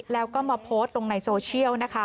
แล้วก็มาโพสต์ลงในโซเชียลนะคะ